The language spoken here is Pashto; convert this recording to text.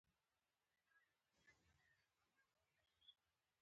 هغه دا کلمې یو په یو په سافټویر کې لیکلې